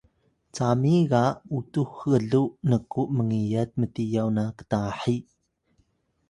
cami ga utux gluw nku mngiyat mtiyaw na ktahi